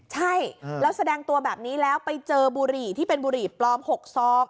ใช่แล้วแสดงตัวแบบนี้แล้วไปเจอบุหรี่ที่เป็นบุหรี่ปลอม๖ซอง